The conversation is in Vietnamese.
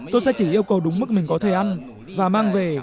tôi sẽ chỉ yêu cầu đúng mức mình có thể ăn và mang về